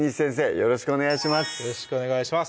よろしくお願いします